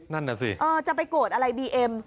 นั่นเหรอสิเออจะไปโกรธอะไรบีเอ็ม